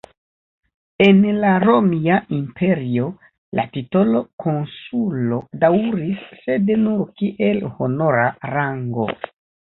En la Romia Imperio la titolo "konsulo" daŭris, sed nur kiel honora rango.